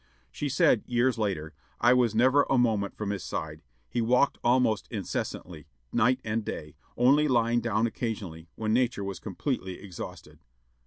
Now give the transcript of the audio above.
She said years later, "I was never a moment from his side. He walked almost incessantly, night and day, only lying down occasionally, when nature was completely exhausted....